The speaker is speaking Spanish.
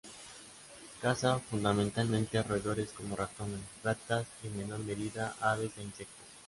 Caza fundamentalmente roedores como ratones, ratas y en menor medida aves e insectos.